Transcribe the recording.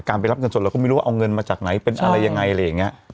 การไปรับเงินสดเราก็ไม่รู้ว่าเอาเงินมาจากไหนเป็นอะไรยังไง